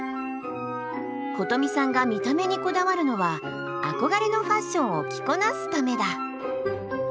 ことみさんが見た目にこだわるのは憧れのファッションを着こなすためだ。